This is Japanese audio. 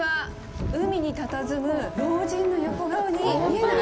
海にたたずむ老人の横顔に見えない？